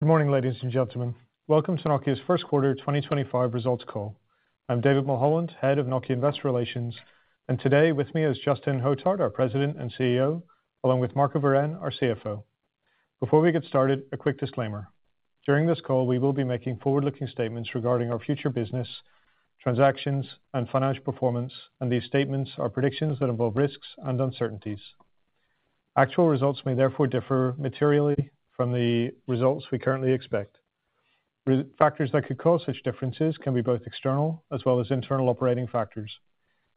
Good morning, ladies and gentlemen. Welcome to Nokia's first quarter 2025 results call. I'm David Mulholland, Head of Nokia Investor Relations, and today with me is Justin Hotard, our President and CEO, along with Marco Wirén, our CFO. Before we get started, a quick disclaimer: during this call, we will be making forward-looking statements regarding our future business, transactions, and financial performance, and these statements are predictions that involve risks and uncertainties. Actual results may therefore differ materially from the results we currently expect. Factors that could cause such differences can be both external as well as internal operating factors.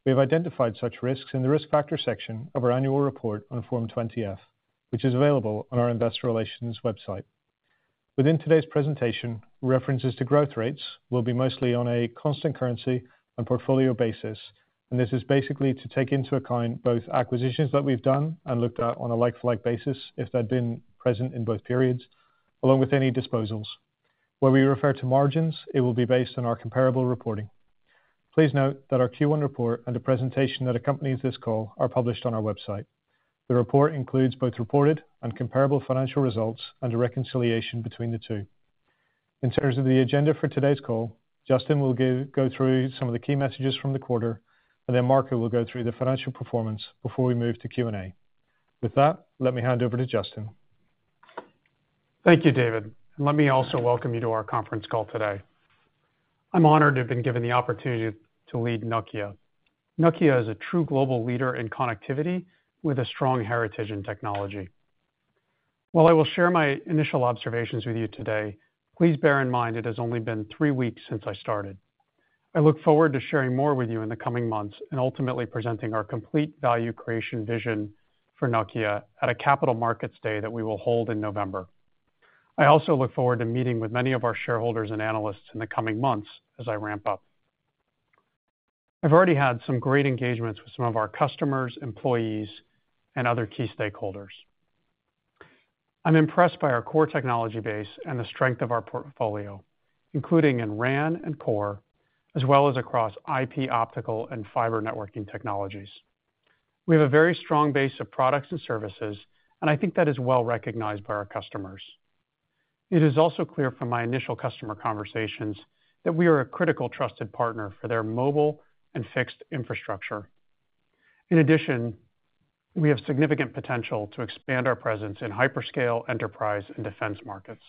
We have identified such risks in the risk factor section of our annual report on Form 20-F, which is available on our Investor Relations website. Within today's presentation, references to growth rates will be mostly on a constant currency and portfolio basis, and this is basically to take into account both acquisitions that we've done and looked at on a like-for-like basis if they've been present in both periods, along with any disposals. Where we refer to margins, it will be based on our comparable reporting. Please note that our Q1 report and the presentation that accompanies this call are published on our website. The report includes both reported and comparable financial results and a reconciliation between the two. In terms of the agenda for today's call, Justin will go through some of the key messages from the quarter, and then Marco will go through the financial performance before we move to Q&A. With that, let me hand over to Justin. Thank you, David. Let me also welcome you to our conference call today. I'm honored to have been given the opportunity to lead Nokia. Nokia is a true global leader in connectivity with a strong heritage in technology. While I will share my initial observations with you today, please bear in mind it has only been three weeks since I started. I look forward to sharing more with you in the coming months and ultimately presenting our complete value creation vision for Nokia at a Capital Markets Day that we will hold in November. I also look forward to meeting with many of our shareholders and analysts in the coming months as I ramp up. I've already had some great engagements with some of our customers, employees, and other key stakeholders. I'm impressed by our core technology base and the strength of our portfolio, including in RAN and Core, as well as across IP Optical and Fiber networking technologies. We have a very strong base of products and services, and I think that is well recognized by our customers. It is also clear from my initial customer conversations that we are a critical trusted partner for their mobile and fixed infrastructure. In addition, we have significant potential to expand our presence in hyperscale, enterprise, and defense markets.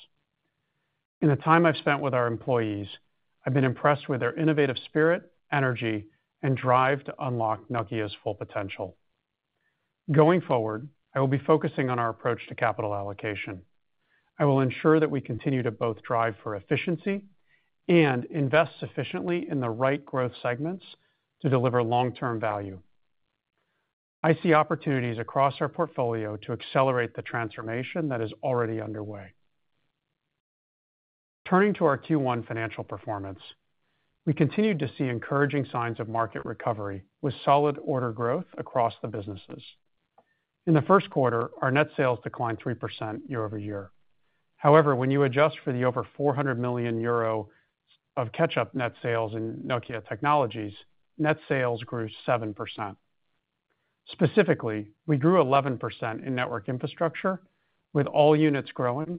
In the time I've spent with our employees, I've been impressed with their innovative spirit, energy, and drive to unlock Nokia's full potential. Going forward, I will be focusing on our approach to capital allocation. I will ensure that we continue to both drive for efficiency and invest sufficiently in the right growth segments to deliver long-term value. I see opportunities across our portfolio to accelerate the transformation that is already underway. Turning to our Q1 financial performance, we continued to see encouraging signs of market recovery with solid order growth across the businesses. In the first quarter, our net sales declined 3% year over year. However, when you adjust for the over 400 million euro of catch-up net sales in Nokia Technologies, net sales grew 7%. Specifically, we grew 11% in Network Infrastructure with all units growing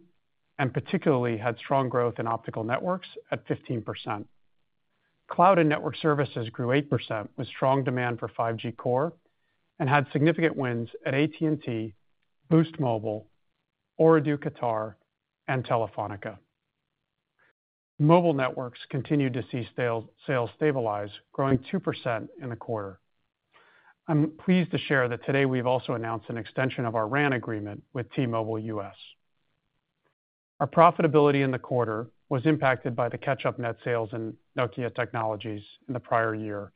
and particularly had strong growth in Optical Networks at 15%. Cloud and Network Services grew 8% with strong demand for 5G Core and had significant wins at AT&T, Boost Mobile, Ooredoo Qatar, and Telefónica. Mobile Networks continued to see sales stabilize, growing 2% in the quarter. I'm pleased to share that today we've also announced an extension of our RAN agreement with T-Mobile US. Our profitability in the quarter was impacted by the catch-up net sales in Nokia Technologies in the prior year,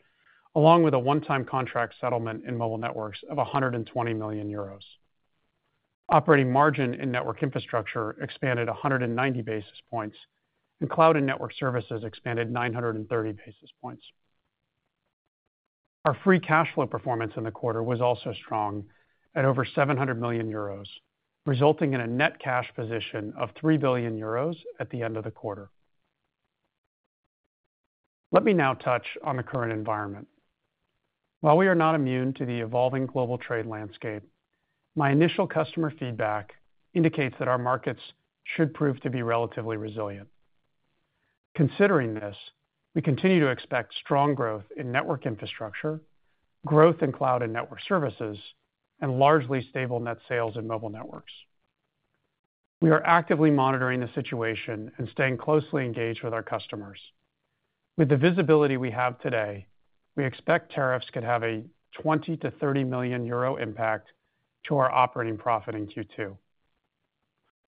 along with a one-time contract settlement in Mobile Networks of 120 million euros. Operating margin in Network Infrastructure expanded 190 basis points, and Cloud and Network Services expanded 930 basis points. Our free cash flow performance in the quarter was also strong at over 700 million euros, resulting in a net cash position of 3 billion euros at the end of the quarter. Let me now touch on the current environment. While we are not immune to the evolving global trade landscape, my initial customer feedback indicates that our markets should prove to be relatively resilient. Considering this, we continue to expect strong growth in Network Infrastructure, growth in Cloud and Network Services, and largely stable net sales in Mobile Networks. We are actively monitoring the situation and staying closely engaged with our customers. With the visibility we have today, we expect tariffs could have a 20 million-30 million euro impact to our operating profit in Q2.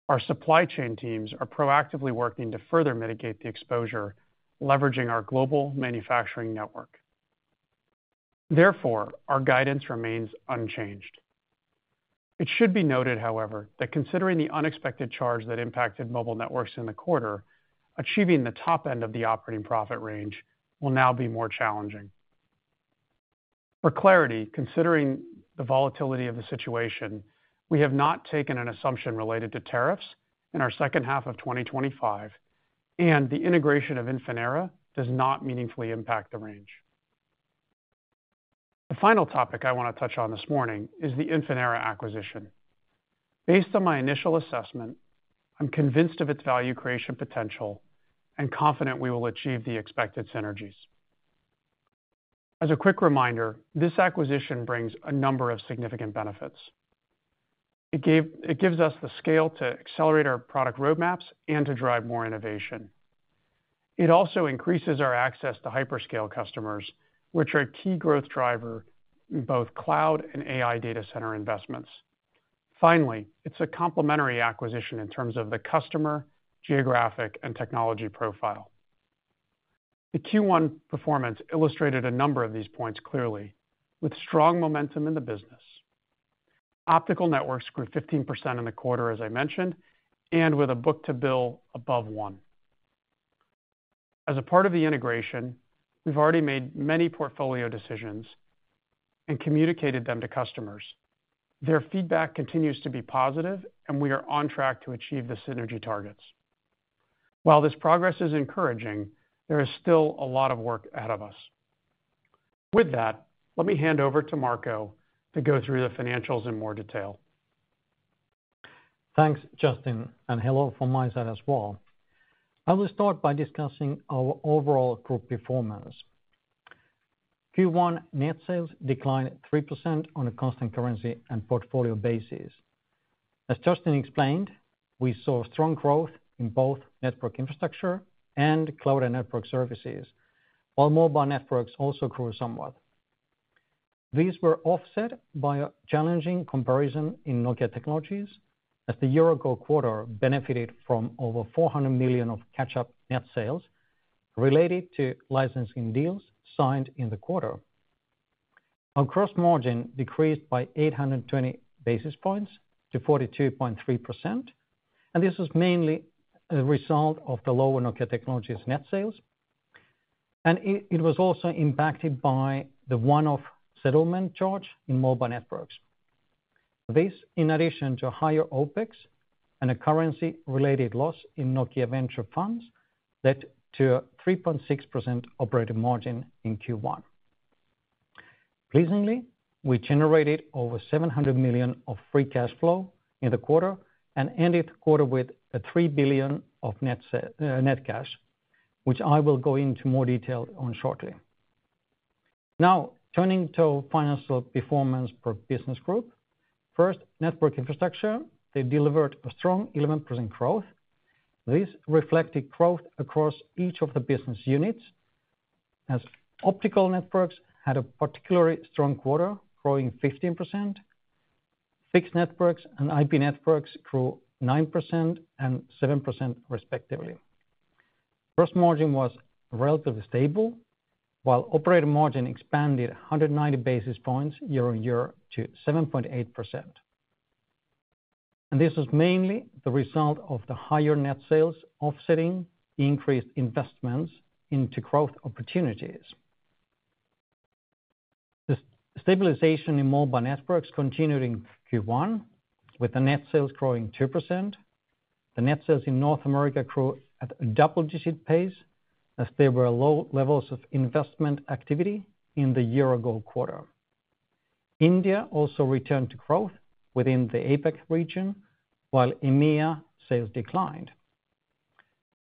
Our supply chain teams are proactively working to further mitigate the exposure, leveraging our global manufacturing network. Therefore, our guidance remains unchanged. It should be noted, however, that considering the unexpected charge that impacted Mobile Networks in the quarter, achieving the top end of the operating profit range will now be more challenging. For clarity, considering the volatility of the situation, we have not taken an assumption related to tariffs in our second half of 2025, and the integration of Infinera does not meaningfully impact the range. The final topic I want to touch on this morning is the Infinera acquisition. Based on my initial assessment, I'm convinced of its value creation potential and confident we will achieve the expected synergies. As a quick reminder, this acquisition brings a number of significant benefits. It gives us the scale to accelerate our product roadmaps and to drive more innovation. It also increases our access to hyperscale customers, which are a key growth driver in both cloud and AI data center investments. Finally, it's a complementary acquisition in terms of the customer, geographic, and technology profile. The Q1 performance illustrated a number of these points clearly, with strong momentum in the business. Optical Networks grew 15% in the quarter, as I mentioned, and with a book-to-bill above one. As a part of the integration, we've already made many portfolio decisions and communicated them to customers. Their feedback continues to be positive, and we are on track to achieve the synergy targets. While this progress is encouraging, there is still a lot of work ahead of us. With that, let me hand over to Marco to go through the financials in more detail. Thanks, Justin, and hello from my side as well. I will start by discussing our overall group performance. Q1 net sales declined 3% on a constant currency and portfolio basis. As Justin explained, we saw strong growth in both Network Infrastructure and Cloud and Network Services, while mobile networks also grew somewhat. These were offset by a challenging comparison in Nokia Technologies, as the year-ago quarter benefited from over 400 million of catch-up net sales related to licensing deals signed in the quarter. Our gross margin decreased by 820 basis points to 42.3%, and this was mainly a result of the lower Nokia Technologies net sales, and it was also impacted by the one-off settlement charge in mobile networks. This, in addition to higher OPEX and a currency-related loss in Nokia Venture Funds, led to a 3.6% operating margin in Q1. Pleasingly, we generated over 700 million of free cash flow in the quarter and ended the quarter with 3 billion of net cash, which I will go into more detail on shortly. Now, turning to financial performance per business group, first, Network Infrastructure. They delivered a strong 11% growth. This reflected growth across each of the business units, as Optical Networks had a particularly strong quarter, growing Fixed Networks and IP Networks grew 9% and 7%, respectively. Gross margin was relatively stable, while operating margin expanded 190 basis points year on year to 7.8%. This was mainly the result of the higher net sales offsetting increased investments into growth opportunities. The stabilization in Mobile Networks continued in Q1, with the net sales growing 2%. The net sales in North America grew at a double-digit pace, as there were low levels of investment activity in the year-ago quarter. India also returned to growth within the APEC region, while EMEA sales declined.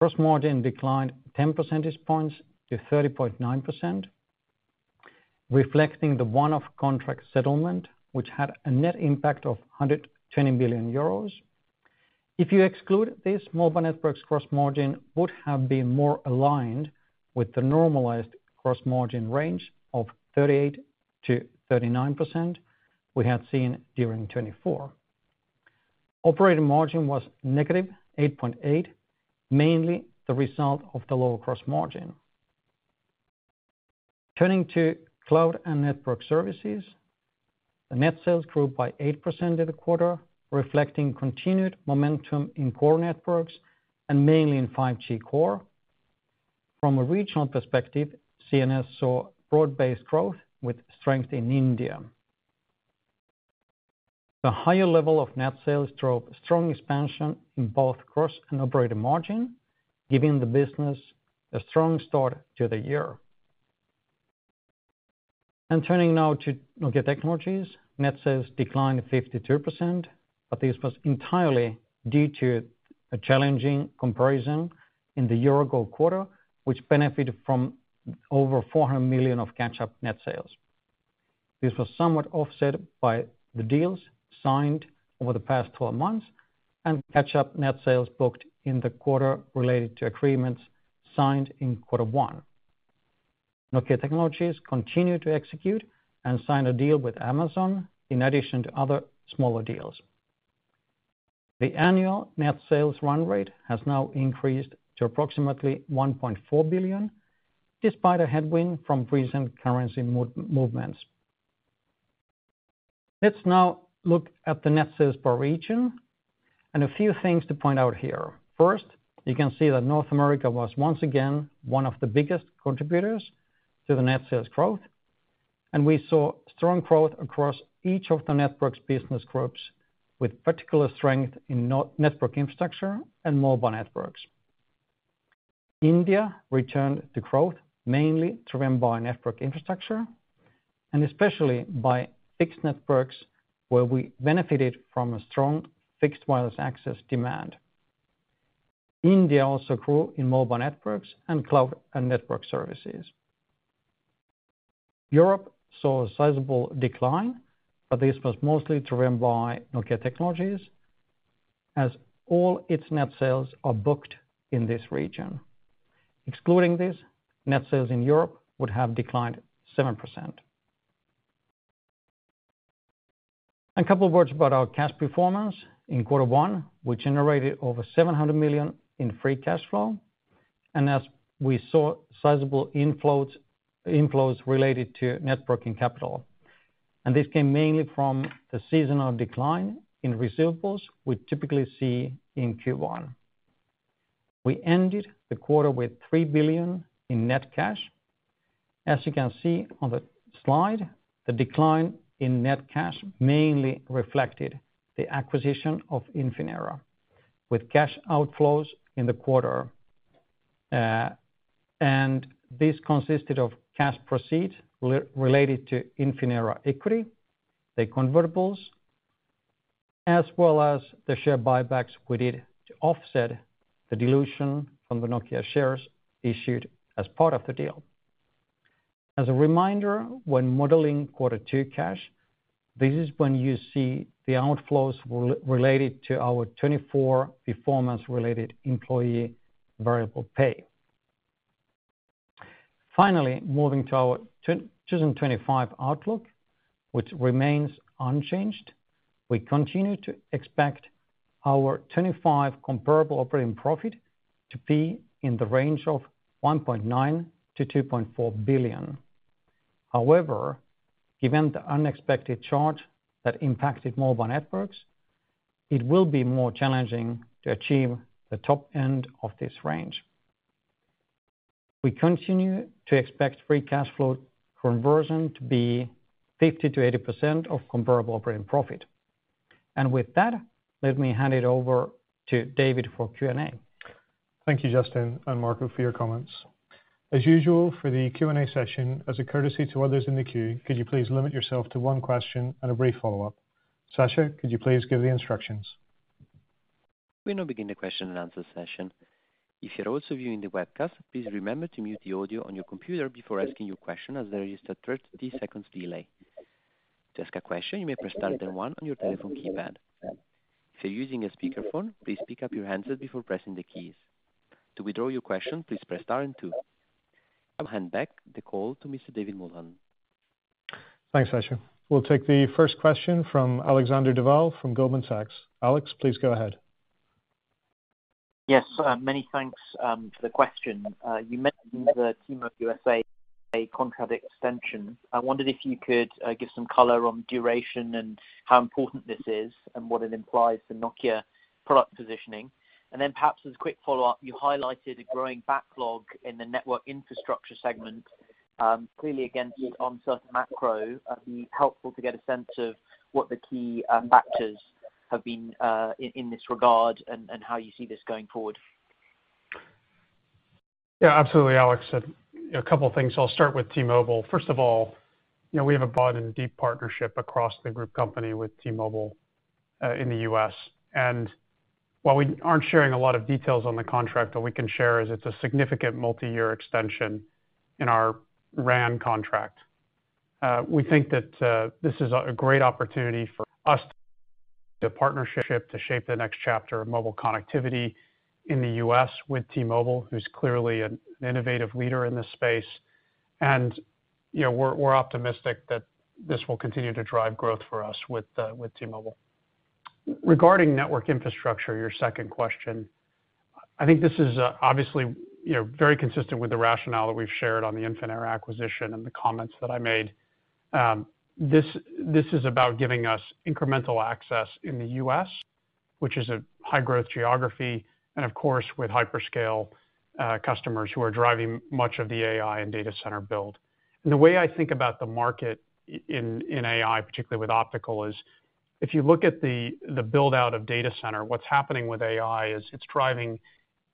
Gross margin declined 10 percentage points to 30.9%, reflecting the one-off contract settlement, which had a net impact of 120 million euros. If you exclude this, mobile networks' gross margin would have been more aligned with the normalized gross margin range of 38-39% we had seen during 2024. Operating margin was negative 8.8%, mainly the result of the low gross margin. Turning to Cloud and Network Services, the net sales grew by 8% in the quarter, reflecting continued momentum in core networks and mainly in 5G Core. From a regional perspective, CNS saw broad-based growth with strength in India. The higher level of net sales drove strong expansion in both gross and operating margin, giving the business a strong start to the year. Turning now to Nokia Technologies, net sales declined 52%, but this was entirely due to a challenging comparison in the year-ago quarter, which benefited from over 400 million of catch-up net sales. This was somewhat offset by the deals signed over the past 12 months and catch-up net sales booked in the quarter related to agreements signed in Q1. Nokia Technologies continued to execute and sign a deal with Amazon in addition to other smaller deals. The annual net sales run rate has now increased to approximately 1.4 billion, despite a headwind from recent currency movements. Let's now look at the net sales per region and a few things to point out here. First, you can see that North America was once again one of the biggest contributors to the net sales growth, and we saw strong growth across each of the network's business groups, with particular strength in Network Infrastructure and Mobile Networks. India returned to growth mainly through Mobile Network Infrastructure and especially Fixed Networks, where we benefited from a strong Fixed Wireless Access demand. India also grew in Mobile Networks and Cloud and Network Services. Europe saw a sizable decline, but this was mostly driven by Nokia Technologies, as all its net sales are booked in this region. Excluding this, net sales in Europe would have declined 7%. A couple of words about our cash performance. In quarter one, we generated over 700 million in free cash flow, and as we saw sizable inflows related net working capital, and this came mainly from the seasonal decline in receivables we typically see in Q1. We ended the quarter with 3 billion in net cash. As you can see on the slide, the decline in net cash mainly reflected the acquisition of Infinera with cash outflows in the quarter, and this consisted of cash proceeds related to Infinera Equity, the convertibles, as well as the share buybacks we did to offset the dilution from the Nokia shares issued as part of the deal. As a reminder, when modeling Q2 cash, this is when you see the outflows related to our 2024 performance-related employee variable pay. Finally, moving to our 2025 outlook, which remains unchanged, we continue to expect our 2025 comparable operating profit to be in the range of 1.9 billion-2.4 billion. However, given the unexpected charge that impacted Mobile Networks, it will be more challenging to achieve the top end of this range. We continue to expect free cash flow conversion to be 50%-80% of comparable operating profit. With that, let me hand it over to David for Q&A. Thank you, Justin and Marco, for your comments. As usual for the Q&A session, as a courtesy to others in the queue, could you please limit yourself to one question and a brief follow-up? Sasha, could you please give the instructions? We now begin the question and answer session. If you're also viewing the webcast, please remember to mute the audio on your computer before asking your question, as there is a 30-second delay. To ask a question, you may press star and one on your telephone keypad. If you're using a speakerphone, please pick up your handset before pressing the keys. To withdraw your question, please press star and two. I will hand back the call to Mr. David Mulholland. Thanks, Sasha. We'll take the first question from Alexander Duval from Goldman Sachs. Alex, please go ahead. Yes, many thanks for the question. You mentioned the T-Mobile US contract extension. I wondered if you could give some color on duration and how important this is and what it implies for Nokia product positioning. Perhaps as a quick follow-up, you highlighted a growing backlog in the Network Infrastructure segment, clearly against uncertain macro. It would be helpful to get a sense of what the key factors have been in this regard and how you see this going forward. Yeah, absolutely, Alex. A couple of things. I'll start with T-Mobile. First of all, we have a broad and deep partnership across the group company with T-Mobile in the US. While we aren't sharing a lot of details on the contract, what we can share is it's a significant multi-year extension in our RAN contract. We think that this is a great opportunity for us to shape the next chapter of mobile connectivity in the US with T-Mobile, who's clearly an innovative leader in this space. We're optimistic that this will continue to drive growth for us with T-Mobile. Regarding Network Infrastructure, your second question, I think this is obviously very consistent with the rationale that we've shared on the Infinera acquisition and the comments that I made. This is about giving us incremental access in the U.S., which is a high-growth geography, and of course, with hyperscale customers who are driving much of the AI and data center build. The way I think about the market in AI, particularly with optical, is if you look at the build-out of data center, what's happening with AI is it's driving,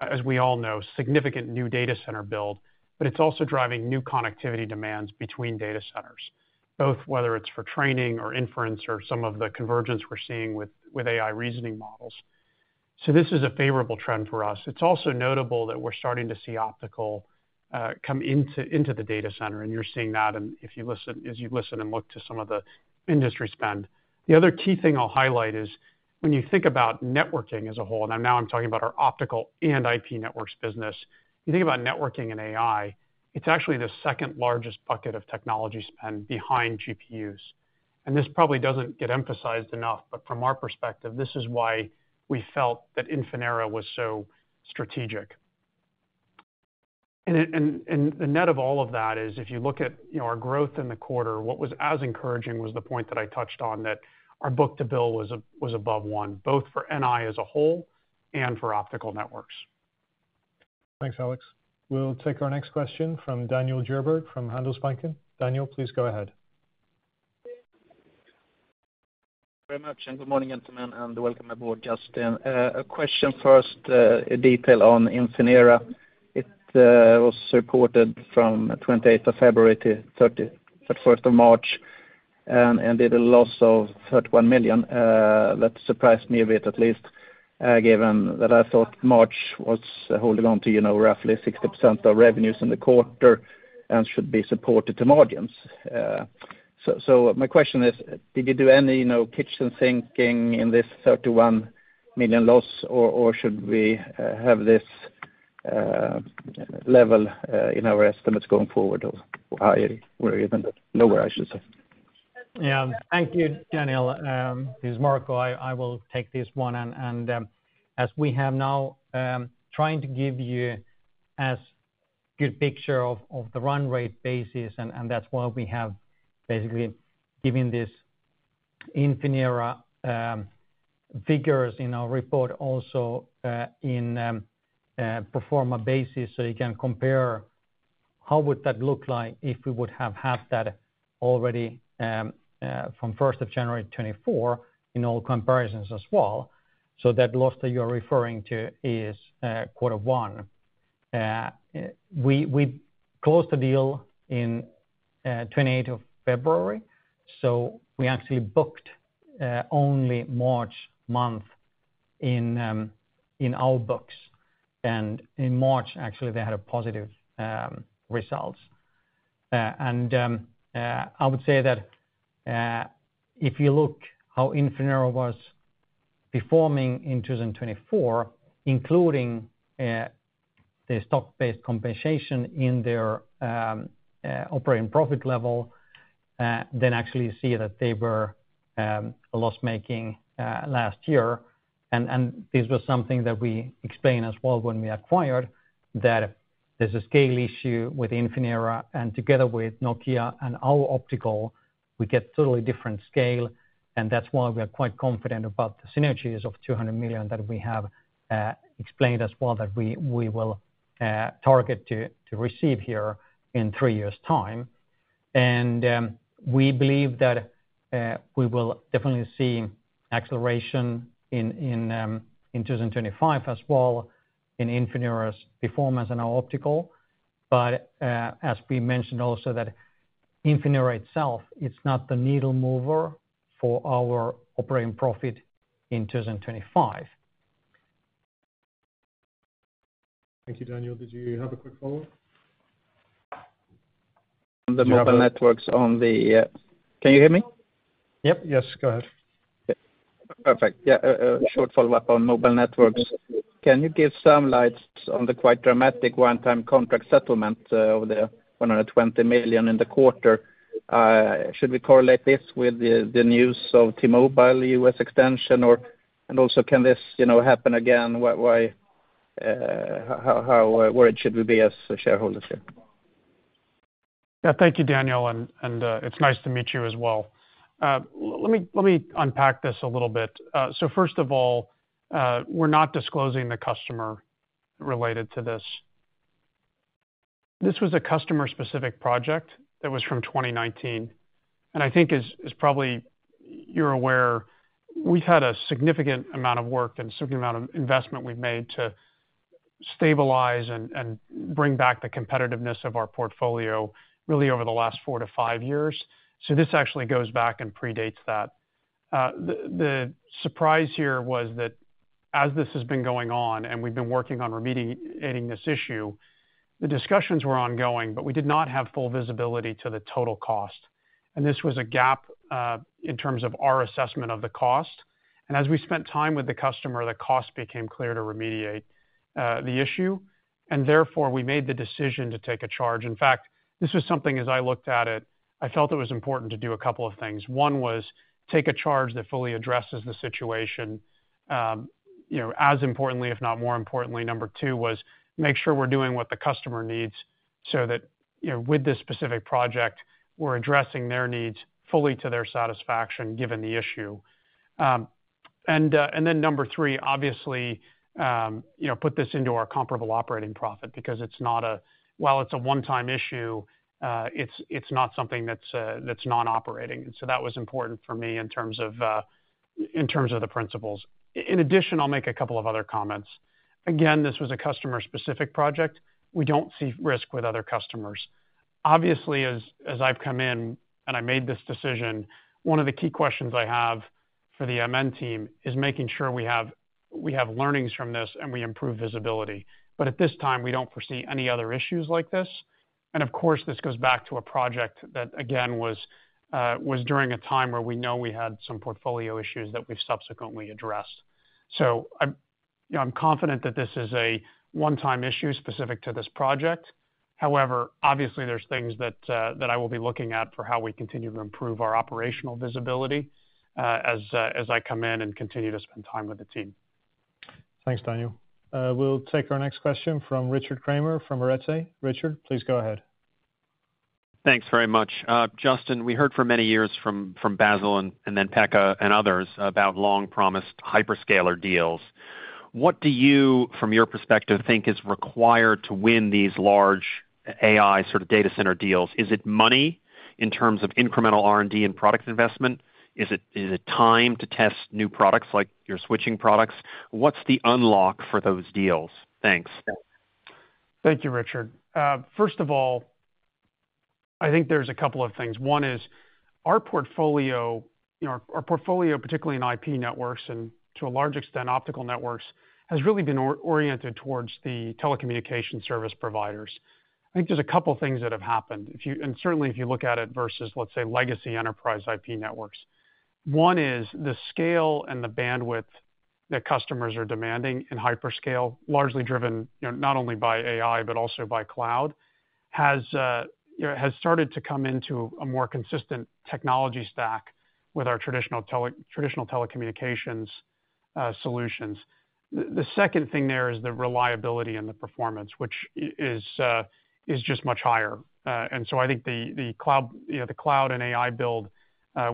as we all know, significant new data center build, but it's also driving new connectivity demands between data centers, both whether it's for training or inference or some of the convergence we're seeing with AI reasoning models. This is a favorable trend for us. It's also notable that we're starting to see optical come into the data center, and you're seeing that as you listen and look to some of the industry spend. The other key thing I'll highlight is when you think networking as a whole, and now I'm talking about our optical and IP Networks business, if you think networking and AI, it's actually the second largest bucket of technology spend behind GPUs. This probably doesn't get emphasized enough, but from our perspective, this is why we felt that Infinera was so strategic. The net of all of that is if you look at our growth in the quarter, what was as encouraging was the point that I touched on, that our book-to-bill was above one, both for NI as a whole and for Optical Networks. Thanks, Alex. We'll take our next question from Daniel Djurberg from Handelsbanken. Daniel, please go ahead. Thank you very much, and good morning, gentlemen, and welcome aboard, Justin. A question first, a detail on Infinera: it was reported from the 28th of February to the 31st of March, and it did a loss of 31 million. That surprised me a bit, at least, given that I thought March was holding on to roughly 60% of revenues in the quarter and should be supported to margins. My question is, did you do any kitchen sinking in this 31 million loss, or should we have this level in our estimates going forward, or higher or even lower, I should say? Yeah, thank you, Daniel. This is Marco. I will take this one. As we have now, trying to give you as good a picture of the run rate basis, and that's why we have basically given these Infinera figures in our report also in a pro forma basis, so you can compare how would that look like if we would have had that already from the 1st of January 2024 in all comparisons as well. That loss that you're referring to is Q1. We closed the deal on the 28th of February, so we actually booked only March month in our books. In March, actually, they had positive results. I would say that if you look at how Infinera was performing in 2024, including the stock-based compensation in their operating profit level, then actually you see that they were loss-making last year. This was something that we explained as well when we acquired, that there's a scale issue with Infinera and together with Nokia and our optical, we get a totally different scale. That is why we are quite confident about the synergies of 200 million that we have explained as well that we will target to receive here in three years' time. We believe that we will definitely see acceleration in 2025 as well in Infinera's performance and our optical. As we mentioned also, Infinera itself is not the needle-mover for our operating profit in 2025. Thank you, Daniel. Did you have a quick follow-up? The mobile networks on the... Can you hear me? Yep. Yes, go ahead. Perfect. Yeah, a short follow-up on Mobile Networks. Can you give some light on the quite dramatic one-time contract settlement of 120 million in the quarter? Should we correlate this with the news of T-Mobile US extension? Also, can this happen again? How worried should we be as shareholders here? Yeah, thank you, Daniel. It's nice to meet you as well. Let me unpack this a little bit. First of all, we're not disclosing the customer related to this. This was a customer-specific project that was from 2019. I think, as probably you're aware, we've had a significant amount of work and a significant amount of investment we've made to stabilize and bring back the competitiveness of our portfolio really over the last four to five years. This actually goes back and predates that. The surprise here was that as this has been going on and we've been working on remediating this issue, the discussions were ongoing, but we did not have full visibility to the total cost. This was a gap in terms of our assessment of the cost. As we spent time with the customer, the cost became clear to remediate the issue. Therefore, we made the decision to take a charge. In fact, this was something, as I looked at it, I felt it was important to do a couple of things. One was take a charge that fully addresses the situation, as importantly, if not more importantly. Number two was make sure we're doing what the customer needs so that with this specific project, we're addressing their needs fully to their satisfaction given the issue. Number three, obviously, put this into our comparable operating profit because it's not a... while it's a one-time issue, it's not something that's non-operating. That was important for me in terms of the principles. In addition, I'll make a couple of other comments. Again, this was a customer-specific project. We don't see risk with other customers. Obviously, as I've come in and I made this decision, one of the key questions I have for the MN team is making sure we have learnings from this and we improve visibility. At this time, we don't foresee any other issues like this. Of course, this goes back to a project that, again, was during a time where we know we had some portfolio issues that we've subsequently addressed. I'm confident that this is a one-time issue specific to this project. However, obviously, there are things that I will be looking at for how we continue to improve our operational visibility as I come in and continue to spend time with the team. Thanks, Daniel. We'll take our next question from Richard Kramer from Arete. Richard, please go ahead. Thanks very much. Justin, we heard for many years from Basil and then Pekka and others about long-promised hyperscaler deals. What do you, from your perspective, think is required to win these large AI sort of data center deals? Is it money in terms of incremental R&D and product investment? Is it time to test new products like your switching products? What's the unlock for those deals? Thanks. Thank you, Richard. First of all, I think there's a couple of things. One is our portfolio, particularly in IP Networks and to a large extent Optical Networks, has really been oriented towards the telecommunication service providers. I think there's a couple of things that have happened. Certainly, if you look at it versus, let's say, legacy enterprise IP networks. One is the scale and the bandwidth that customers are demanding in hyperscale, largely driven not only by AI, but also by cloud, has started to come into a more consistent technology stack with our traditional telecommunications solutions. The second thing there is the reliability and the performance, which is just much higher. I think the cloud and AI build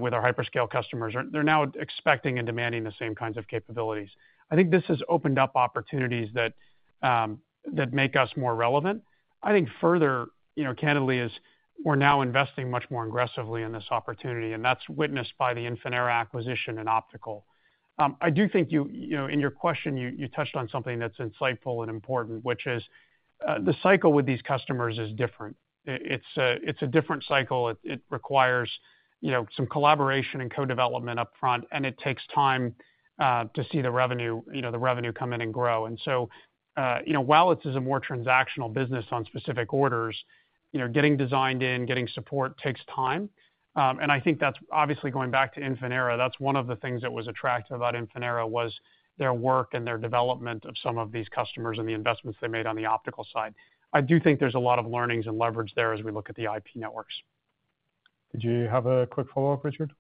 with our hyperscale customers, they're now expecting and demanding the same kinds of capabilities. I think this has opened up opportunities that make us more relevant. I think further, candidly, is we're now investing much more aggressively in this opportunity, and that's witnessed by the Infinera acquisition and optical. I do think in your question, you touched on something that's insightful and important, which is the cycle with these customers is different. It's a different cycle. It requires some collaboration and co-development upfront, and it takes time to see the revenue come in and grow. While this is a more transactional business on specific orders, getting designed in, getting support takes time. I think that's obviously going back to Infinera. That's one of the things that was attractive about Infinera was their work and their development of some of these customers and the investments they made on the optical side. I do think there's a lot of learnings and leverage there as we look at the IP Networks. Did you have a quick follow-up, Richard?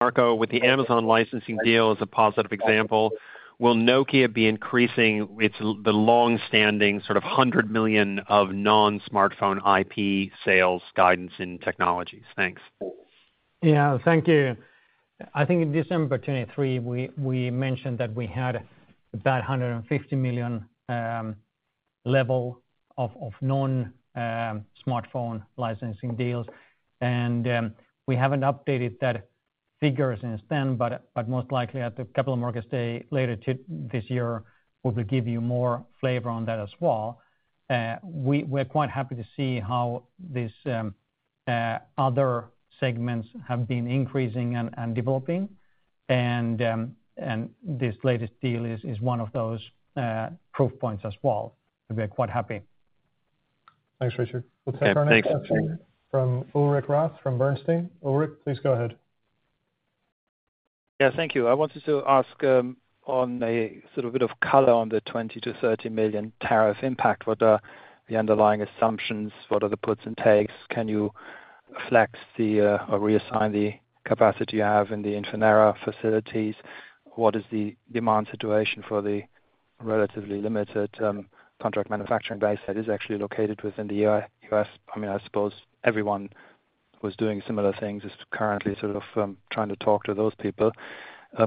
Marco, with the Amazon licensing deal as a positive example, will Nokia be increasing the long-standing sort of 100 million of non-smartphone IP sales guidance in technologies? Thanks. Yeah, thank you. I think in December 2023, we mentioned that we had about 150 million level of non-smartphone licensing deals. We have not updated that figure since then, but most likely at the capital markets day later this year, we will give you more flavor on that as well. We are quite happy to see how these other segments have been increasing and developing. This latest deal is one of those proof points as well. We are quite happy. Thanks, Richard. We'll take our next question from Ulrik Roth from Bernstein. Ulrik, please go ahead. Yeah, thank you. I wanted to ask on a sort of bit of color on the 20 million-30 million tariff impact. What are the underlying assumptions? What are the puts and takes? Can you flex or reassign the capacity you have in the Infinera facilities? What is the demand situation for the relatively limited contract manufacturing base that is actually located within the U.S.? I mean, I suppose everyone who's doing similar things is currently sort of trying to talk to those people.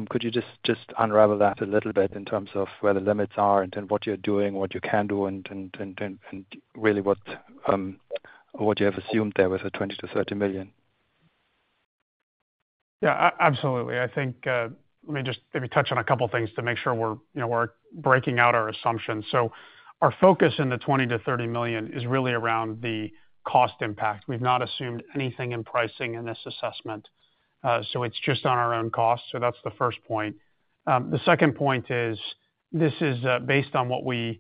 Could you just unravel that a little bit in terms of where the limits are and what you're doing, what you can do, and really what you have assumed there with the 20 million-30 million? Yeah, absolutely. I think let me just maybe touch on a couple of things to make sure we're breaking out our assumptions. Our focus in the 20 million-30 million is really around the cost impact. We've not assumed anything in pricing in this assessment. It is just on our own cost. That is the first point. The second point is this is based on what we've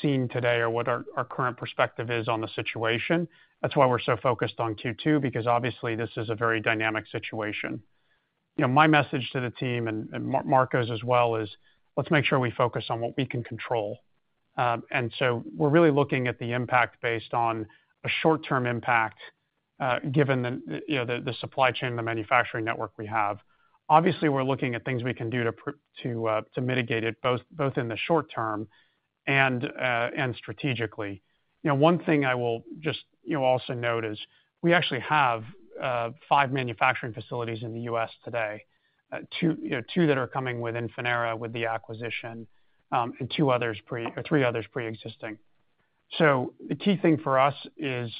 seen today or what our current perspective is on the situation. That is why we're so focused on Q2, because obviously, this is a very dynamic situation. My message to the team and Marco's as well is let's make sure we focus on what we can control. We are really looking at the impact based on a short-term impact given the supply chain and the manufacturing network we have. Obviously, we're looking at things we can do to mitigate it both in the short term and strategically. One thing I will just also note is we actually have five manufacturing facilities in the U.S. today, two that are coming with Infinera with the acquisition and three others pre-existing. The key thing for us is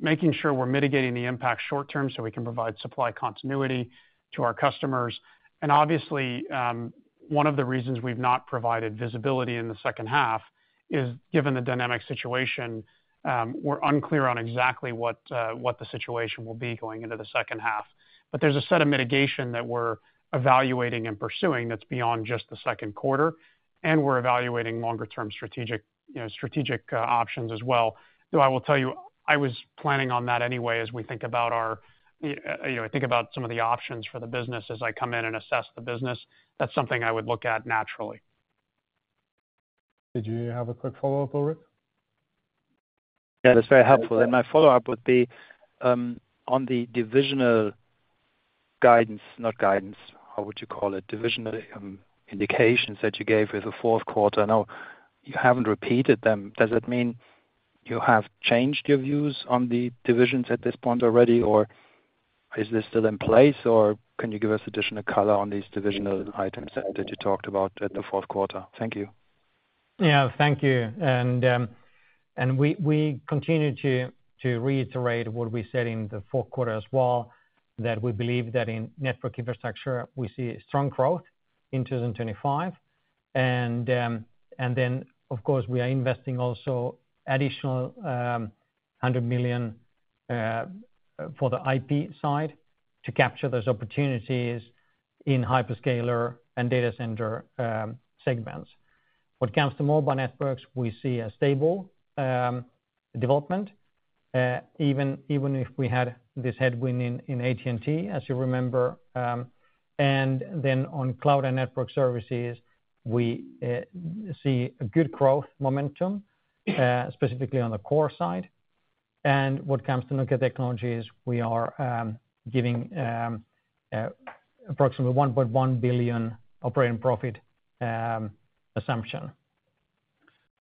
making sure we're mitigating the impact short term so we can provide supply continuity to our customers. One of the reasons we've not provided visibility in the second half is given the dynamic situation, we're unclear on exactly what the situation will be going into the second half. There's a set of mitigation that we're evaluating and pursuing that's beyond just the second quarter. We're evaluating longer-term strategic options as well. Though I will tell you, I was planning on that anyway as we think about our... I think about some of the options for the business as I come in and assess the business. That's something I would look at naturally. Did you have a quick follow-up, Ulrik? Yeah, that's very helpful. My follow-up would be on the divisional guidance, not guidance, how would you call it, divisional indications that you gave with the fourth quarter. I know you haven't repeated them. Does that mean you have changed your views on the divisions at this point already, or is this still in place, or can you give us additional color on these divisional items that you talked about at the fourth quarter? Thank you. Yeah, thank you. We continue to reiterate what we said in the fourth quarter as well, that we believe that in Network Infrastructure, we see strong growth in 2025. Of course, we are investing also additional 100 million for the IP side to capture those opportunities in hyperscale and data center segments. What comes to mobile networks, we see a stable development, even if we had this headwind in AT&T, as you remember. On Cloud and Network Services, we see a good growth momentum, specifically on the core side. What comes to Nokia Technologies, we are giving approximately 1.1 billion operating profit assumption.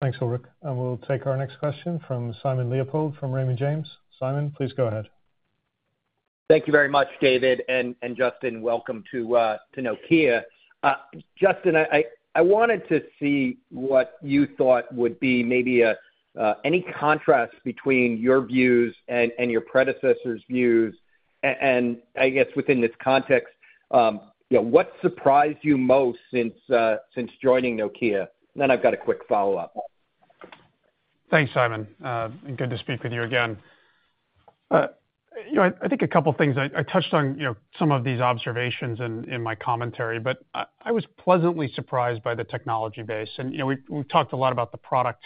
Thanks, Ulrik. We will take our next question from Simon Leopold from Raymond James. Simon, please go ahead. Thank you very much, David. Justin, welcome to Nokia. Justin, I wanted to see what you thought would be maybe any contrast between your views and your predecessor's views. I guess within this context, what surprised you most since joining Nokia? I have a quick follow-up. Thanks, Simon. Good to speak with you again. I think a couple of things. I touched on some of these observations in my commentary, but I was pleasantly surprised by the technology base. We have talked a lot about the product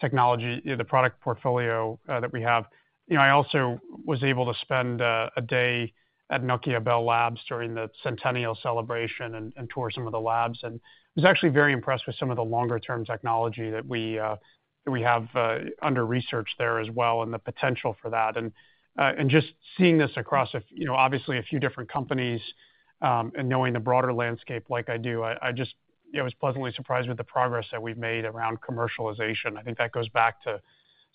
technology, the product portfolio that we have. I also was able to spend a day at Nokia Bell Labs during the centennial celebration and tour some of the labs. I was actually very impressed with some of the longer-term technology that we have under research there as well and the potential for that. Just seeing this across, obviously, a few different companies and knowing the broader landscape like I do, I was pleasantly surprised with the progress that we have made around commercialization. I think that goes back to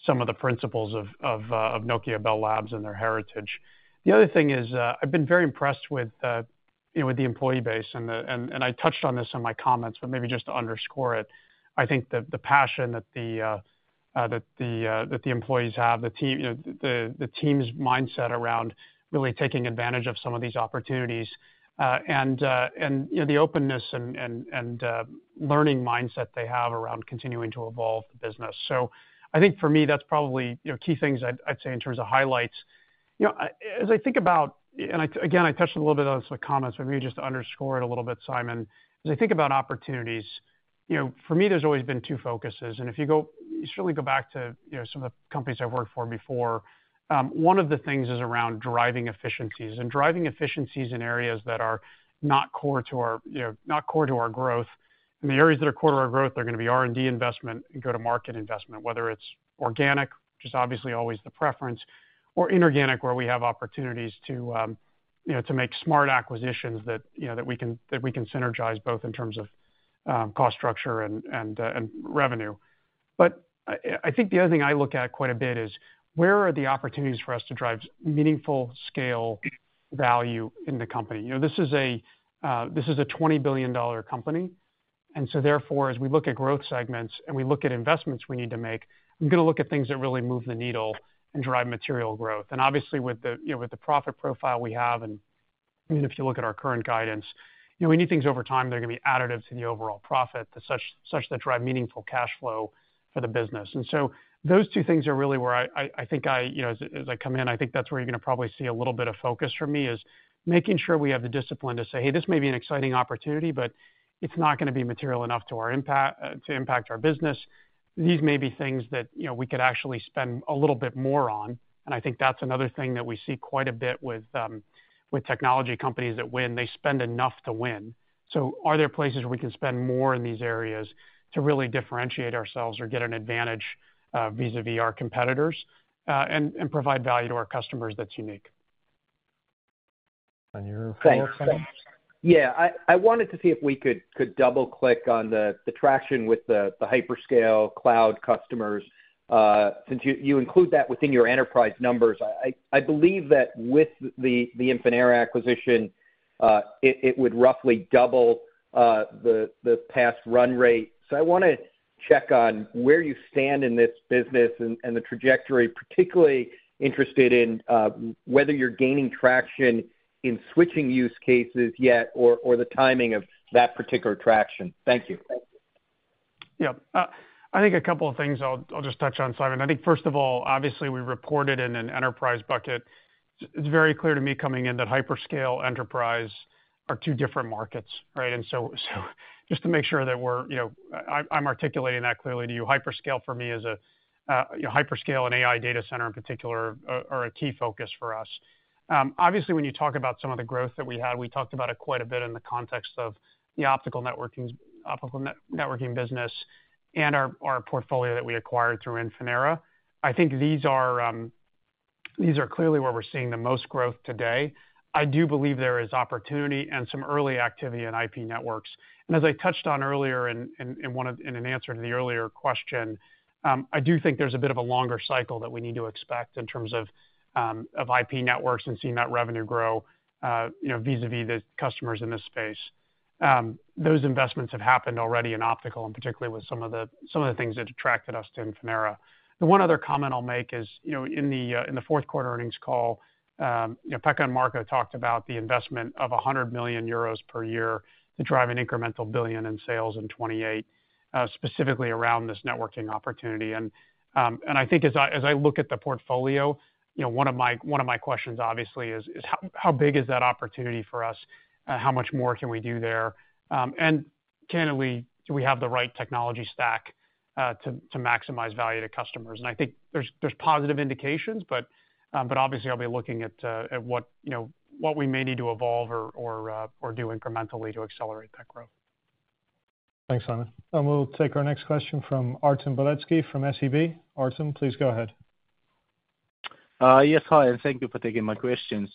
some of the principles of Nokia Bell Labs and their heritage. The other thing is I've been very impressed with the employee base. I touched on this in my comments, but maybe just to underscore it, I think the passion that the employees have, the team's mindset around really taking advantage of some of these opportunities, and the openness and learning mindset they have around continuing to evolve the business. I think for me, that's probably key things I'd say in terms of highlights. As I think about, and again, I touched a little bit on some comments, but maybe just to underscore it a little bit, Simon, as I think about opportunities, for me, there's always been two focuses. If you certainly go back to some of the companies I've worked for before, one of the things is around driving efficiencies. Driving efficiencies in areas that are not core to our growth. The areas that are core to our growth are going to be R&D investment and go-to-market investment, whether it's organic, which is obviously always the preference, or inorganic, where we have opportunities to make smart acquisitions that we can synergize both in terms of cost structure and revenue. I think the other thing I look at quite a bit is where are the opportunities for us to drive meaningful scale value in the company. This is a $20 billion company. Therefore, as we look at growth segments and we look at investments we need to make, I'm going to look at things that really move the needle and drive material growth. Obviously, with the profit profile we have, and if you look at our current guidance, we need things over time. They're going to be additive to the overall profit such that drive meaningful cash flow for the business. Those two things are really where I think, as I come in, I think that's where you're going to probably see a little bit of focus for me is making sure we have the discipline to say, "Hey, this may be an exciting opportunity, but it's not going to be material enough to impact our business. These may be things that we could actually spend a little bit more on." I think that's another thing that we see quite a bit with technology companies that win. They spend enough to win. Are there places where we can spend more in these areas to really differentiate ourselves or get an advantage vis-à-vis our competitors and provide value to our customers that's unique? On your follow-up, Simon? Yeah. I wanted to see if we could double-click on the traction with the hyperscale cloud customers. Since you include that within your enterprise numbers, I believe that with the Infinera acquisition, it would roughly double the past run rate. So I want to check on where you stand in this business and the trajectory. Particularly interested in whether you're gaining traction in switching use cases yet or the timing of that particular traction. Thank you. Yeah. I think a couple of things I'll just touch on, Simon. I think, first of all, obviously, we reported in an enterprise bucket. It's very clear to me coming in that hyperscale enterprise are two different markets, right? Just to make sure that I'm articulating that clearly to you, hyperscale for me is a hyperscale and AI data center in particular are a key focus for us. Obviously, when you talk about some of the growth that we had, we talked about it quite a bit in the context of the networking business and our portfolio that we acquired through Infinera. I think these are clearly where we're seeing the most growth today. I do believe there is opportunity and some early activity in IP networks. As I touched on earlier in an answer to the earlier question, I do think there's a bit of a longer cycle that we need to expect in terms of IP Networks and seeing that revenue grow vis-à-vis the customers in this space. Those investments have happened already in Optical, and particularly with some of the things that attracted us to Infinera. The one other comment I'll make is in the fourth quarter earnings call, Pekka and Marco talked about the investment of 100 million euros per year to drive an incremental billion in sales in 2028, specifically around networking opportunity. I think as I look at the portfolio, one of my questions, obviously, is how big is that opportunity for us? How much more can we do there? Candidly, do we have the right technology stack to maximize value to customers? I think there's positive indications, but obviously, I'll be looking at what we may need to evolve or do incrementally to accelerate that growth. Thanks, Simon. We'll take our next question from Artem Beletski from SEB. Artem, please go ahead. Yes, hi. Thank you for taking my questions.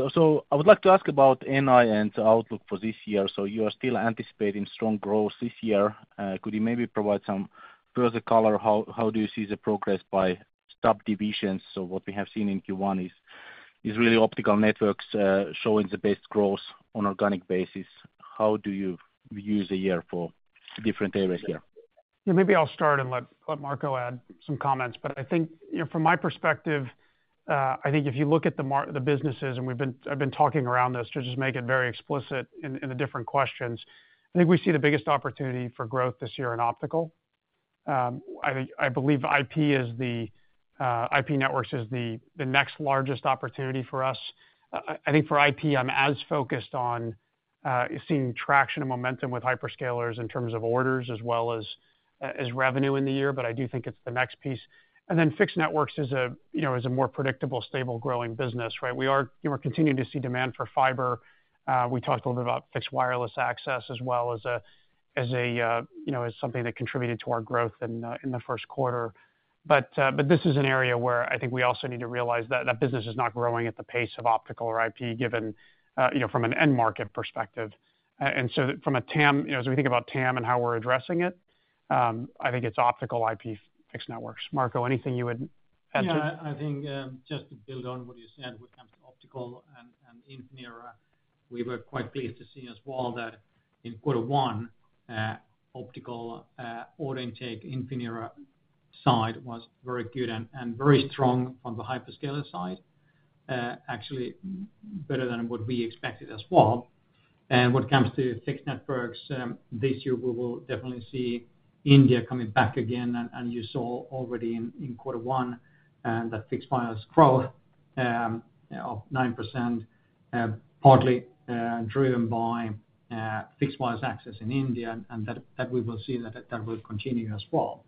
I would like to ask about NI and outlook for this year. You are still anticipating strong growth this year. Could you maybe provide some further color? How do you see the progress by subdivisions? What we have seen in Q1 is really Optical Networks showing the best growth on an organic basis. How do you view the year for different areas here? Yeah, maybe I'll start and let Marco add some comments. I think from my perspective, I think if you look at the businesses, and I've been talking around this to just make it very explicit in the different questions, I think we see the biggest opportunity for growth this year in optical. I believe IP Networks is the next largest opportunity for us. I think for IP, I'm as focused on seeing traction and momentum with hyperscalers in terms of orders as well as revenue in the year. I do think it's the next Fixed Networks is a more predictable, stable growing business, right? We are continuing to see demand for fiber. We talked a little bit about Fixed Wireless Access as well as something that contributed to our growth in the first quarter. This is an area where I think we also need to realize that that business is not growing at the pace of optical or IP given from an end market perspective. And so from a TAM, as we think about TAM and how we're addressing it, I think it's optical Fixed Networks. marco, anything you would add to? Yeah, I think just to build on what you said when it comes to optical and Infinera, we were quite pleased to see as well that in quarter one, optical order intake Infinera side was very good and very strong from the hyperscaler side, actually better than what we expected as well. When it comes Fixed Networks this year, we will definitely see India coming back again. You saw already in quarter one that fixed wireless growth of 9% was partly driven by fixed wireless access in India. We will see that will continue as well.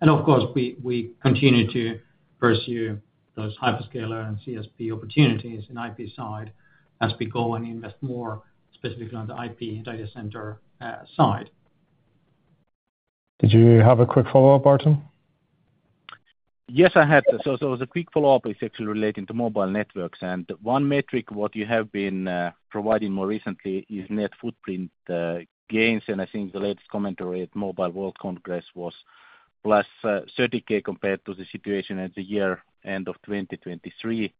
Of course, we continue to pursue those hyperscaler and CSP opportunities in IP side as we go and invest more specifically on the IP data center side. Did you have a quick follow-up, Artem? Yes, I had. It was a quick follow-up, essentially relating to mobile networks. One metric you have been providing more recently is net footprint gains. I think the latest commentary at Mobile World Congress was plus 30,000 compared to the situation at the year end of 2023.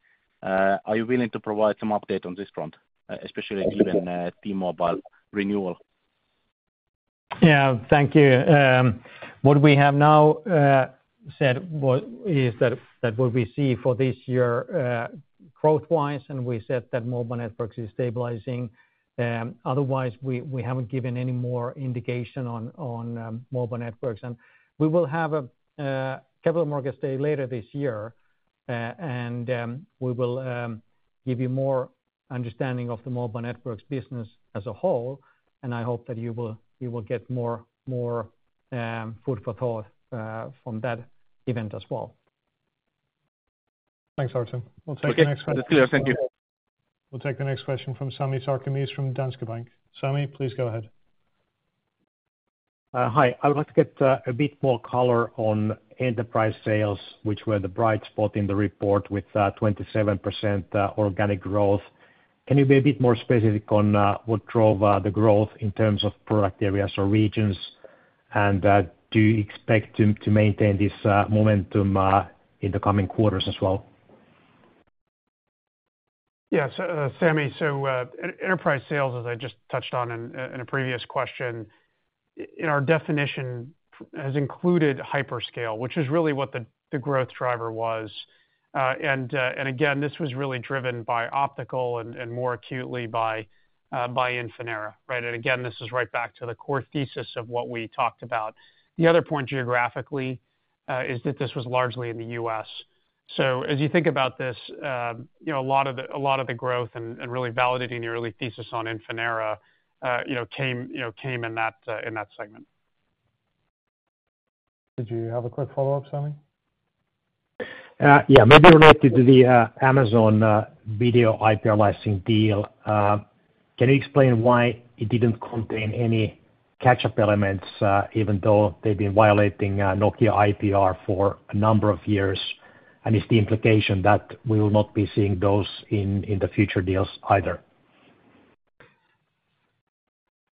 Are you willing to provide some update on this front, especially given T-Mobile renewal? Yeah, thank you. What we have now said is that what we see for this year growth-wise, and we said that Mobile Networks is stabilizing. Otherwise, we have not given any more indication on Mobile Networks. We will have a Capital Markets Day later this year, and we will give you more understanding of the Mobile Networks business as a whole. I hope that you will get more food for thought from that event as well. Thanks, Artem. We'll take the next question. Thank you. We'll take the next question from Sami Sarkamies from Danske Bank. Sami, please go ahead. Hi. I would like to get a bit more color on enterprise sales, which were the bright spot in the report with 27% organic growth. Can you be a bit more specific on what drove the growth in terms of product areas or regions? Do you expect to maintain this momentum in the coming quarters as well? Yeah, Sami. Enterprise sales, as I just touched on in a previous question, in our definition has included hyperscale, which is really what the growth driver was. This was really driven by optical and more acutely by Infinera, right? This is right back to the core thesis of what we talked about. The other point geographically is that this was largely in the U.S. As you think about this, a lot of the growth and really validating your early thesis on Infinera came in that segment. Did you have a quick follow-up, Sami? Yeah, maybe related to the Amazon video IPR licensing deal. Can you explain why it didn't contain any catch-up elements, even though they've been violating Nokia IPR for a number of years? Is the implication that we will not be seeing those in the future deals either?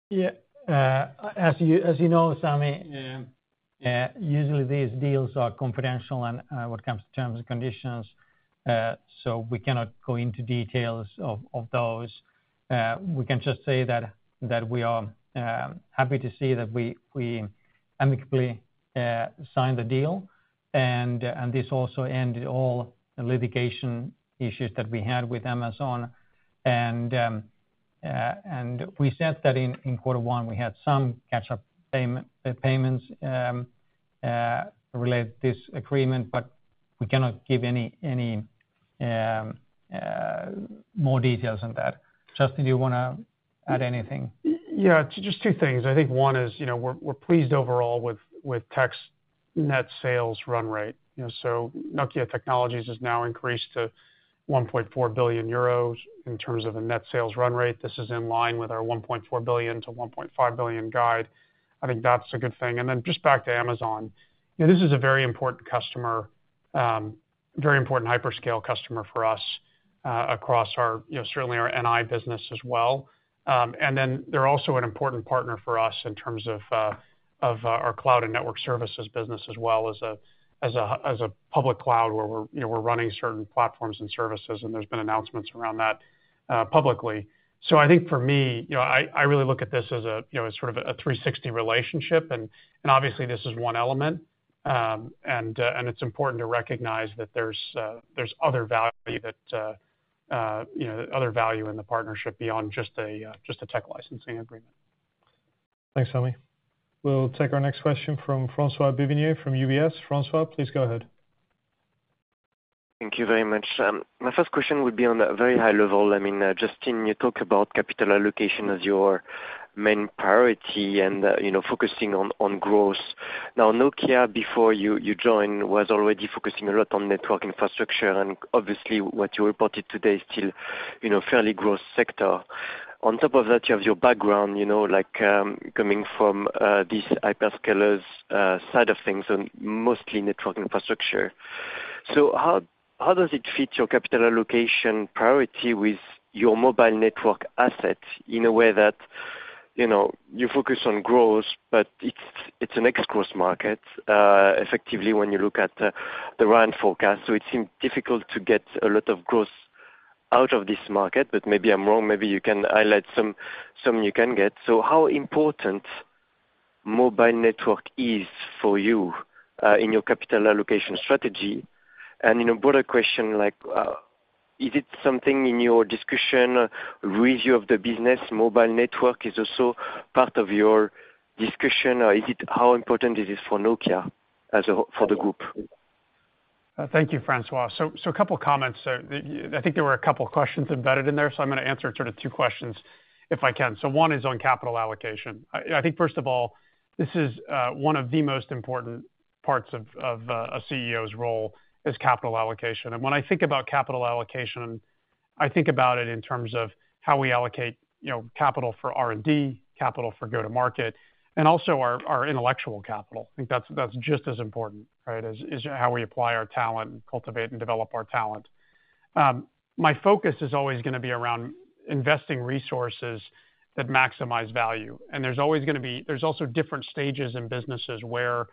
Yeah. As you know, Sami, usually these deals are confidential when it comes to terms and conditions. We cannot go into details of those. We can just say that we are happy to see that we amicably signed the deal. This also ended all litigation issues that we had with Amazon. We said that in quarter one, we had some catch-up payments related to this agreement, but we cannot give any more details on that. Justin, do you want to add anything? Yeah, just two things. I think one is we're pleased overall with Tech's net sales run rate. Nokia Technologies has now increased to 1.4 billion euros in terms of a net sales run rate. This is in line with our 1.4 billion-1.5 billion guide. I think that's a good thing. Just back to Amazon. This is a very important customer, very important hyperscale customer for us across certainly our NI business as well. They're also an important partner for us in terms of our Cloud and Network Services business as well as a public cloud where we're running certain platforms and services, and there's been announcements around that publicly. I think for me, I really look at this as sort of a 360 relationship. Obviously, this is one element. It is important to recognize that there is other value in the partnership beyond just a tech licensing agreement. Thanks, Sami. We will take our next question from François Bouvignies from UBS. François, please go ahead. Thank you very much. My first question would be on a very high level. I mean, Justin, you talk about capital allocation as your main priority and focusing on growth. Now, Nokia, before you joined, was already focusing a lot on Network Infrastructure. Obviously, what you reported today is still a fairly growth sector. On top of that, you have your background coming from these hyperscalers' side of things, so mostly Network Infrastructure. How does it fit your capital allocation priority with your mobile network assets in a way that you focus on growth, but it's an excursive market effectively when you look at the RAN forecast? It seemed difficult to get a lot of growth out of this market, but maybe I'm wrong. Maybe you can highlight some you can get. How important mobile network is for you in your capital allocation strategy? In a broader question, is it something in your discussion with you of the business? Mobile Networks is also part of your discussion. How important is it for Nokia for the group? Thank you, François. A couple of comments. I think there were a couple of questions embedded in there, so I'm going to answer sort of two questions if I can. One is on capital allocation. I think, first of all, this is one of the most important parts of a CEO's role is capital allocation. When I think about capital allocation, I think about it in terms of how we allocate capital for R&D, capital for go-to-market, and also our intellectual capital. I think that's just as important, right, as how we apply our talent and cultivate and develop our talent. My focus is always going to be around investing resources that maximize value. There's always going to be different stages in businesses where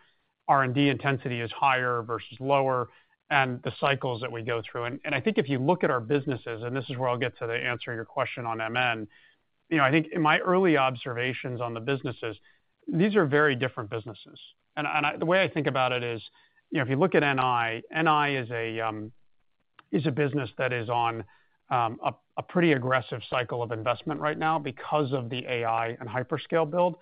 R&D intensity is higher versus lower and the cycles that we go through. I think if you look at our businesses, and this is where I'll get to the answer to your question on MN, I think in my early observations on the businesses, these are very different businesses. The way I think about it is if you look at NI, NI is a business that is on a pretty aggressive cycle of investment right now because of the AI and hyperscale build.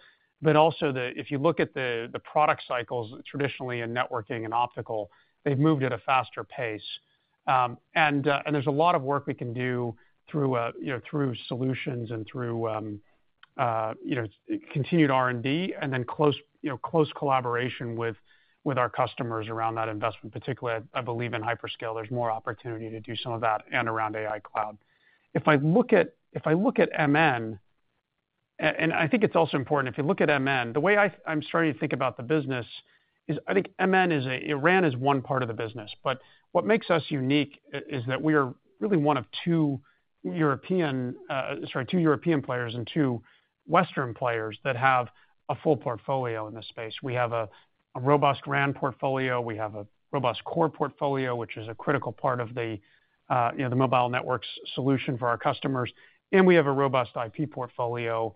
Also, if you look at the product cycles traditionally networking and optical, they've moved at a faster pace. There is a lot of work we can do through solutions and through continued R&D and then close collaboration with our customers around that investment, particularly, I believe, in hyperscale. There is more opportunity to do some of that and around AI cloud. If I look at MN, and I think it's also important, if you look at MN, the way I'm starting to think about the business is I think MN is a RAN is one part of the business. What makes us unique is that we are really one of two European players and two Western players that have a full portfolio in this space. We have a robust RAN portfolio. We have a robust core portfolio, which is a critical part of the mobile networks solution for our customers. We have a robust IP portfolio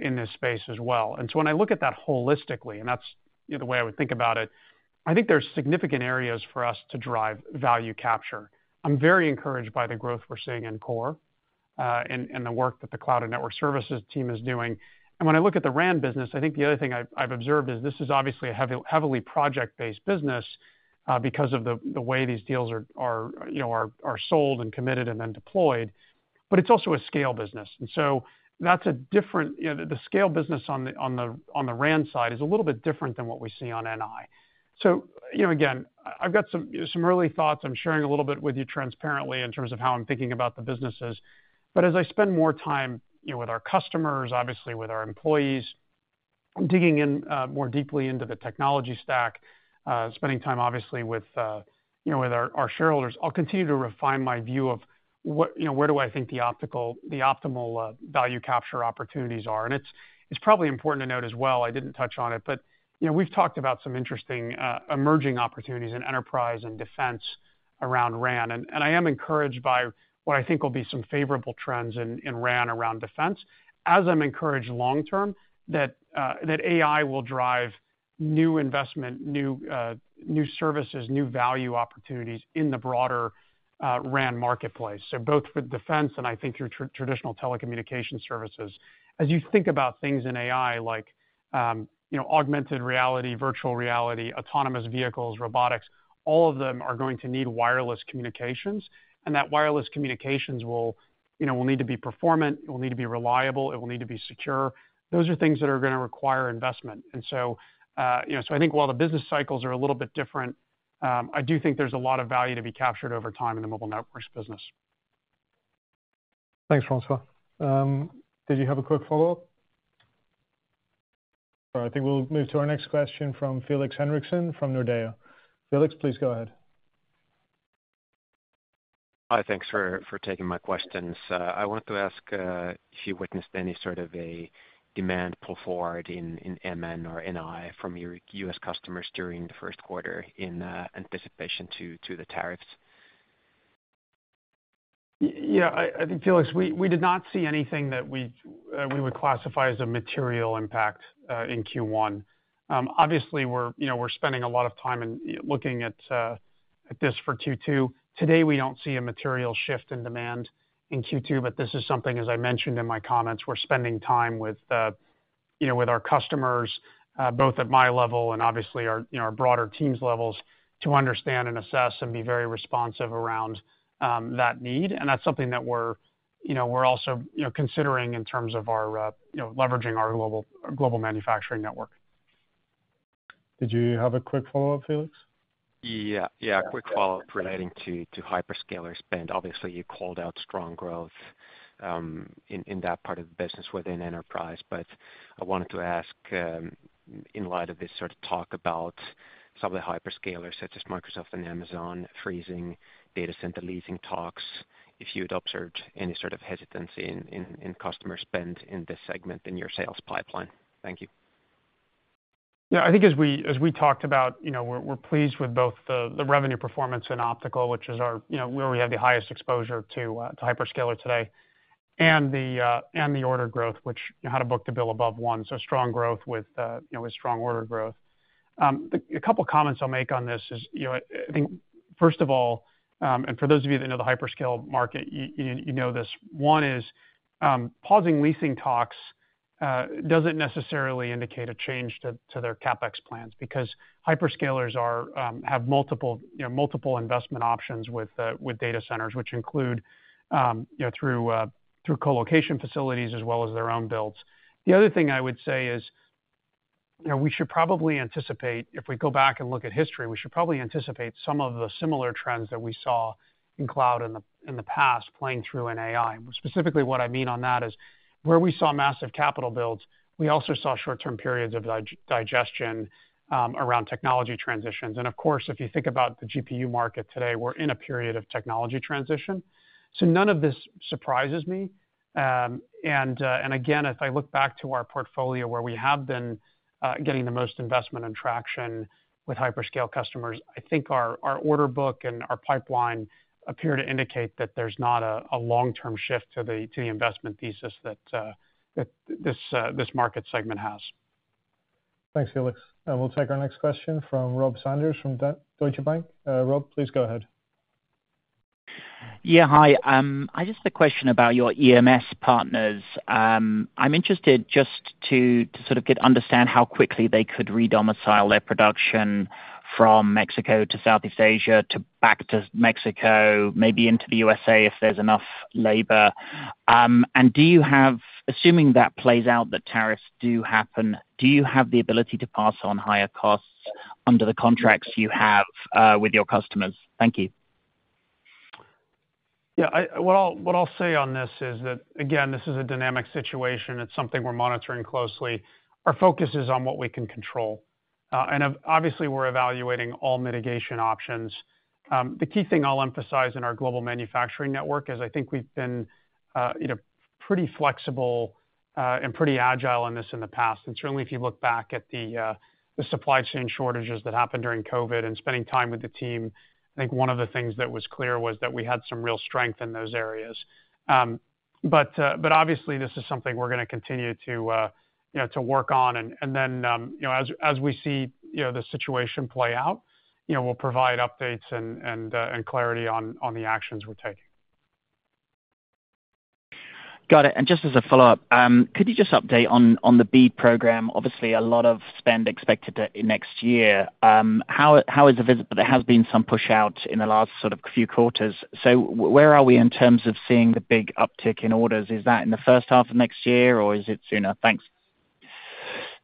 in this space as well. When I look at that holistically, and that's the way I would think about it, I think there are significant areas for us to drive value capture. I'm very encouraged by the growth we're seeing in core and the work that the Cloud and Network Services team is doing. When I look at the RAN business, I think the other thing I've observed is this is obviously a heavily project-based business because of the way these deals are sold and committed and then deployed. It is also a scale business. That scale business on the RAN side is a little bit different than what we see on NI. I have some early thoughts. I'm sharing a little bit with you transparently in terms of how I'm thinking about the businesses. As I spend more time with our customers, obviously with our employees, digging in more deeply into the technology stack, spending time obviously with our shareholders, I'll continue to refine my view of where do I think the optimal value capture opportunities are. It's probably important to note as well, I didn't touch on it, but we've talked about some interesting emerging opportunities in enterprise and defense around RAN. I am encouraged by what I think will be some favorable trends in RAN around defense, as I'm encouraged long-term that AI will drive new investment, new services, new value opportunities in the broader RAN marketplace, so both for defense and I think through traditional telecommunication services. As you think about things in AI like augmented reality, virtual reality, autonomous vehicles, robotics, all of them are going to need wireless communications. That wireless communications will need to be performant. It will need to be reliable. It will need to be secure. Those are things that are going to require investment. I think while the business cycles are a little bit different, I do think there's a lot of value to be captured over time in the mobile networks business. Thanks, François. Did you have a quick follow-up? All right. I think we'll move to our next question from Felix Henriksson from Nordea. Felix, please go ahead. Hi. Thanks for taking my questions. I wanted to ask if you witnessed any sort of a demand pull forward in MN or NI from your US customers during the first quarter in anticipation to the tariffs? Yeah. I think, Felix, we did not see anything that we would classify as a material impact in Q1. Obviously, we're spending a lot of time in looking at this for Q2. Today, we don't see a material shift in demand in Q2, but this is something, as I mentioned in my comments, we're spending time with our customers, both at my level and obviously our broader team's levels to understand and assess and be very responsive around that need. That is something that we're also considering in terms of leveraging our global manufacturing network. Did you have a quick follow-up, Felix? Yeah. Yeah, quick follow-up relating to hyperscaler spend. Obviously, you called out strong growth in that part of the business within enterprise. I wanted to ask, in light of this sort of talk about some of the hyperscalers such as Microsoft and Amazon freezing data center leasing talks, if you'd observed any sort of hesitancy in customer spend in this segment in your sales pipeline. Thank you. Yeah. I think as we talked about, we're pleased with both the revenue performance in optical, which is where we have the highest exposure to hyperscale today, and the order growth, which had a book-to-bill above one. Strong growth with strong order growth. A couple of comments I'll make on this is I think, first of all, and for those of you that know the hyperscale market, you know this. Pausing leasing talks doesn't necessarily indicate a change to their CapEx plans because hyperscalers have multiple investment options with data centers, which include through colocation facilities as well as their own builds. The other thing I would say is we should probably anticipate, if we go back and look at history, we should probably anticipate some of the similar trends that we saw in cloud in the past playing through in AI. Specifically, what I mean on that is where we saw massive capital builds, we also saw short-term periods of digestion around technology transitions. Of course, if you think about the GPU market today, we're in a period of technology transition. None of this surprises me. Again, if I look back to our portfolio where we have been getting the most investment and traction with hyperscale customers, I think our order book and our pipeline appear to indicate that there's not a long-term shift to the investment thesis that this market segment has. Thanks, Felix. We'll take our next question from Rob Sanders from Deutsche Bank. Rob, please go ahead. Yeah. Hi. I just have a question about your EMS partners. I'm interested just to sort of understand how quickly they could re-domicile their production from Mexico to Southeast Asia to back to Mexico, maybe into the U.S. if there's enough labor. Assuming that plays out, that tariffs do happen, do you have the ability to pass on higher costs under the contracts you have with your customers? Thank you. Yeah. What I'll say on this is that, again, this is a dynamic situation. It's something we're monitoring closely. Our focus is on what we can control. Obviously, we're evaluating all mitigation options. The key thing I'll emphasize in our global manufacturing network is I think we've been pretty flexible and pretty agile in this in the past. Certainly, if you look back at the supply chain shortages that happened during COVID and spending time with the team, I think one of the things that was clear was that we had some real strength in those areas. Obviously, this is something we're going to continue to work on. As we see the situation play out, we'll provide updates and clarity on the actions we're taking. Got it. Just as a follow-up, could you just update on the BEAD program? Obviously, a lot of spend expected next year. How is it visible? There has been some push-out in the last sort of few quarters. Where are we in terms of seeing the big uptick in orders? Is that in the first half of next year, or is it sooner? Thanks.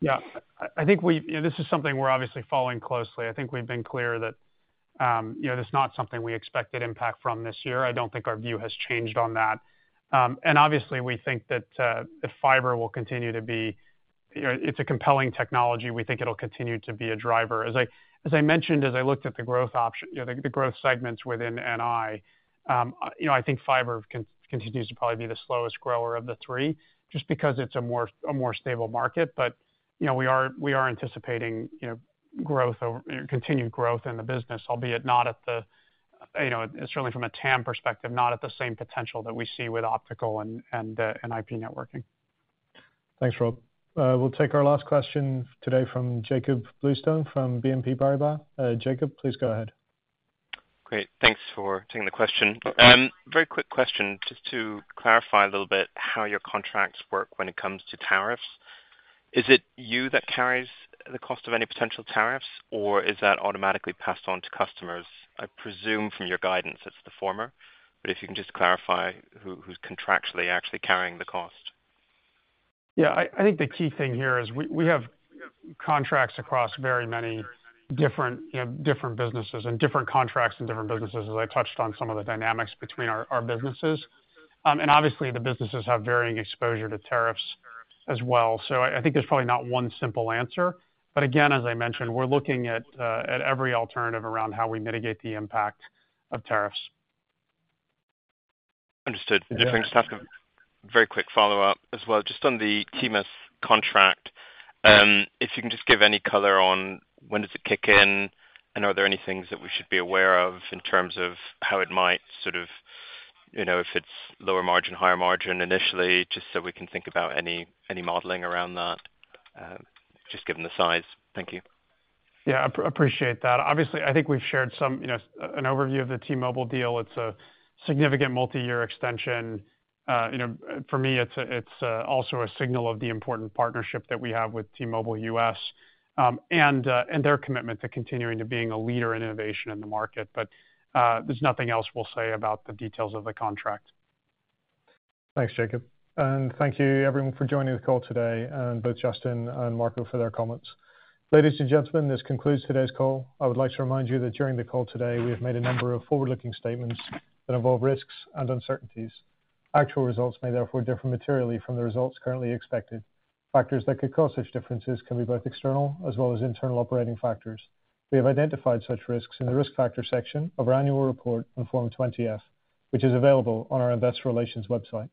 Yeah. I think this is something we're obviously following closely. I think we've been clear that it's not something we expected impact from this year. I don't think our view has changed on that. Obviously, we think that fiber will continue to be a compelling technology. We think it'll continue to be a driver. As I mentioned, as I looked at the growth segments within NI, I think fiber continues to probably be the slowest grower of the three just because it's a more stable market. We are anticipating continued growth in the business, albeit not at the, certainly from a TAM perspective, not at the same potential that we see with optical and IP networking. Thanks, Rob. We'll take our last question today from Jakob Bluestone from BNP Paribas. Jakob, please go ahead. Great. Thanks for taking the question. Very quick question, just to clarify a little bit how your contracts work when it comes to tariffs. Is it you that carries the cost of any potential tariffs, or is that automatically passed on to customers? I presume from your guidance it's the former. If you can just clarify who's contractually actually carrying the cost. Yeah. I think the key thing here is we have contracts across very many different businesses and different contracts in different businesses, as I touched on some of the dynamics between our businesses. Obviously, the businesses have varying exposure to tariffs as well. I think there's probably not one simple answer. Again, as I mentioned, we're looking at every alternative around how we mitigate the impact of tariffs. Understood. Thanks, Tasca. Very quick follow-up as well. Just on the TMUS contract, if you can just give any color on when does it kick in, and are there any things that we should be aware of in terms of how it might sort of if it's lower margin, higher margin initially, just so we can think about any modeling around that, just given the size. Thank you. Yeah. I appreciate that. Obviously, I think we've shared an overview of the T-Mobile deal. It's a significant multi-year extension. For me, it's also a signal of the important partnership that we have with T-Mobile US and their commitment to continuing to being a leader in innovation in the market. There is nothing else we'll say about the details of the contract. Thanks, Jakob. Thank you, everyone, for joining the call today, both Justin and Marco for their comments. Ladies and gentlemen, this concludes today's call. I would like to remind you that during the call today, we have made a number of forward-looking statements that involve risks and uncertainties. Actual results may therefore differ materially from the results currently expected. Factors that could cause such differences can be both external as well as internal operating factors. We have identified such risks in the risk factor section of our annual report on Form 20-F, which is available on our Investor Relations website.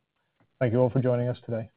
Thank you all for joining us today.